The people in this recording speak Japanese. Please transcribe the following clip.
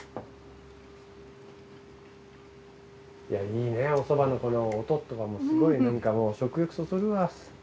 いやいいねおそばのこの音とかもすごいなんかもう食欲そそるわ。